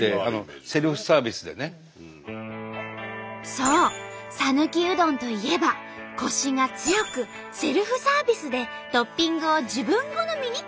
そうさぬきうどんといえばコシが強くセルフサービスでトッピングを自分好みにカスタマイズ。